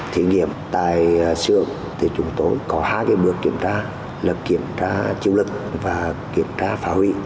thí nghiệm tại sử dụng thì chúng tôi có hai bước kiểm tra là kiểm tra chiêu lực và kiểm tra phá hủy